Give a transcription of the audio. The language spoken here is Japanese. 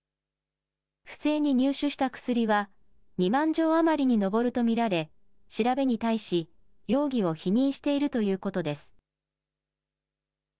不正に入手した薬は、２万錠余りに上ると見られ、調べに対し、容疑を否認しているということです。